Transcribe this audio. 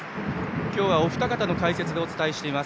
今日はお二方の解説でお伝えしています。